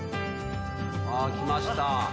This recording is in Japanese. あ来ました。